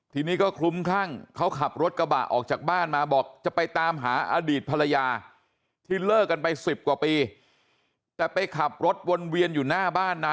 ทีนี้ก็คลุมคลั่งเขาขับรถกระบะออกจากบ้านมาบอกจะไปตามหาอดีตภรรยา